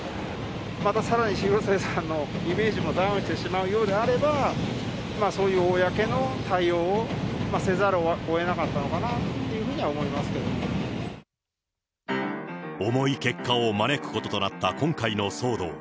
またさらに広末さんのイメージもダウンしてしまうようであれば、そういう公の対応をせざるをえなかったのかなというふうには思い重い結果を招くこととなった今回の騒動。